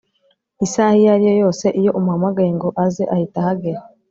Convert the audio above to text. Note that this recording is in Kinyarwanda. Isaha iyo ariyo yose iyo umuhamagaye ngo aze ahita ahagera